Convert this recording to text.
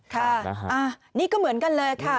ค่ะนี่ก็เหมือนกันเลยค่ะ